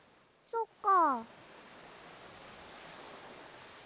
そっか。